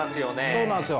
そうなんですよ。